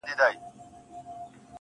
تور یم، موړ یمه د ژوند له خرمستیو.